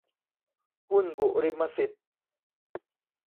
หุ้นบุริมสิทธิ